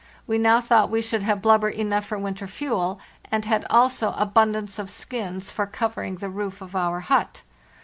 We now thought we should have blubber enough for winter fuel, and had also abun dance of skins for covering the roof of our hut.